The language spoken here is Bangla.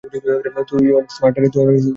তুই অনেক স্মার্ট না রে?